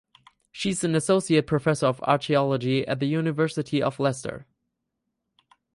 She is an Associate Professor of Archaeology at the University of Leicester.